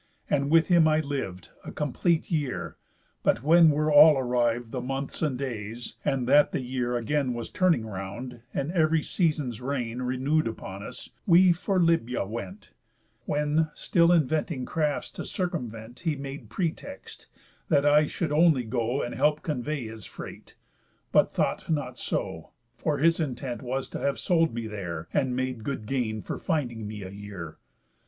And with him I liv'd A cómplete year; but when were all arriv'd The months and days, and that the year again Was turning round, and ev'ry season's reign Renew'd upon us, we for Libya went, When, still inventing crafts to circumvent, He made pretext, that I should only go And help convey his freight; but thought not so, For his intent was to have sold me there, And made good gain for finding me a year.